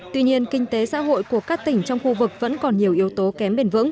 tuy nhiên kinh tế xã hội của các tỉnh trong khu vực vẫn còn nhiều yếu tố kém bền vững